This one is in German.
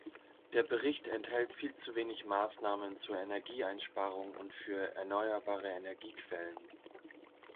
Der Bericht enthält viel zu wenig Maßnahmen zur Energieeinsparung und für erneuerbare Energiequellen.